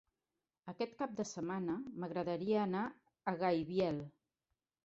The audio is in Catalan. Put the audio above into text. Aquest cap de setmana m'agradaria anar a Gaibiel.